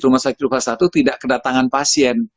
rumah sakit rupa satu tidak kedatangan pasien